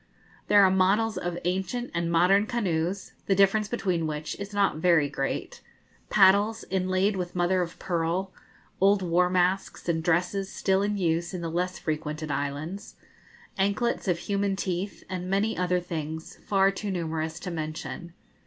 There are models of ancient and modern canoes the difference between which is not very great, paddles, inlaid with mother of pearl, old war masks, and dresses still in use in the less frequented islands, anklets of human teeth, and many other things far too numerous to mention.